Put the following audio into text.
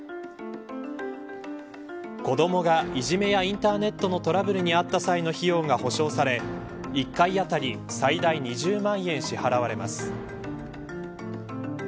子どもがいじめやインターネットのトラブルに遭った際の費用が保証され１回当たり最大２０万円支払われます。